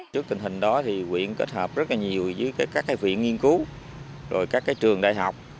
trước tình hình đó huyện kết hợp rất nhiều với các huyện nghiên cứu các trường đại học